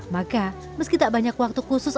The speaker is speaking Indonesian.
maka meski tak banyak waktu khusus